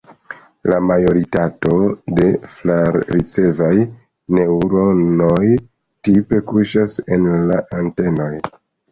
La majoritato de flar-ricevaj neŭronoj tipe kuŝas en la antenoj.